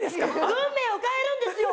運命を変えるんですよ！